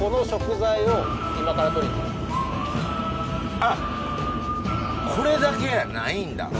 あっこれだけやないんだ。